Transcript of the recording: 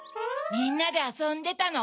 みんなであそんでたの？